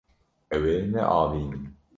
Ew ê neavînin.